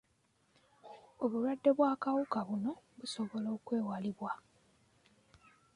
Obulwadde bw'akawuka buno busobola okwewalibwa.